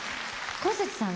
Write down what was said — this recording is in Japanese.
こうせつさんは？